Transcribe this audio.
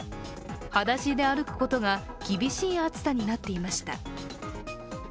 はだしで歩くことが厳しい暑さになっていました。